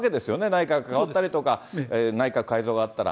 内閣代わったりとか、内閣改造があったら。